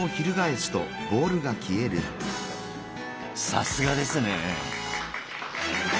さすがですね！